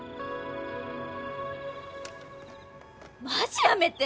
マジやめて。